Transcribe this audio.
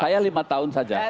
saya lima tahun saja